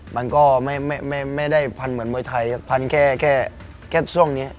มันก็ไม่ได้พันเหมือนมวยไทยพันแค่ช่วงนี้